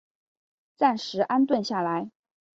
暂时安顿下来